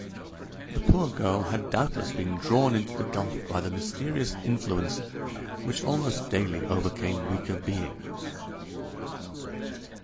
The poor girl had doubtless been drawn into the gulf by the mysterious influence which almost daily overcame weaker beings!